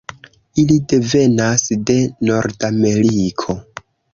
Ili devenas de Nordameriko.